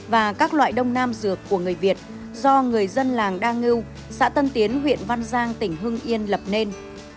và các loại đông nam dược của người việt do người dân làng đa ngưu xã tân tiến huyện văn giang tỉnh hưng yên lập nên